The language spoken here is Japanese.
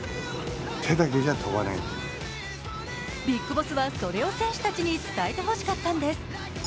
ビッグボスはそれを選手たちに伝えてほしかったんです。